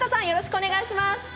よろしくお願いします。